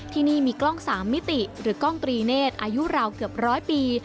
ที่นี่มีกล้อง๓มิติหรือกล้องตรีเนธอายุราวเกือบร้อยปี